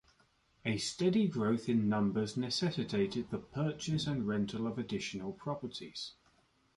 A steady growth in numbers necessitated the purchase and rental of additional properties.